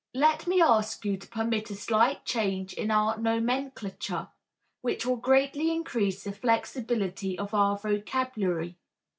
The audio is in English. Let me ask you to permit a slight change in our nomenclature which will greatly increase the flexibility of our vocabulary.